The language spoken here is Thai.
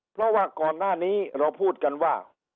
เพราะว่าก่อนหน้านี้เราพูดกันว่า